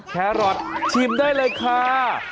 แคร็อตชิมด้วยเลยค่ะ